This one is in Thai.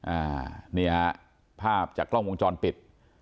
อ่านี่ฮะภาพจากกล้องวงจรปิด